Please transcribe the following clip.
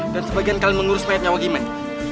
dan sebagian kalian mengurus mayat nyawa gimen